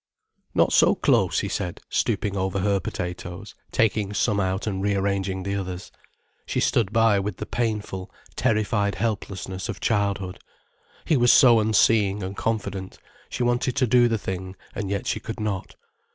"Not so close," he said, stooping over her potatoes, taking some out and rearranging the others. She stood by with the painful terrified helplessness of childhood. He was so unseeing and confident, she wanted to do the thing and yet she could not.